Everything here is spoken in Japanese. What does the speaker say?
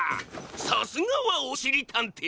さすがはおしりたんてい！